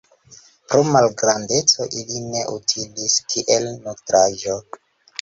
Pro malgrandeco ili ne utilis kiel nutraĵo.